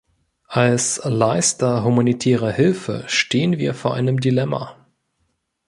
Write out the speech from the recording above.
Als Leister humanitärer Hilfe stehen wir vor einem Dilemma.